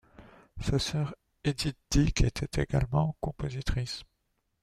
Sa sœur Edith Dick était également compositrice.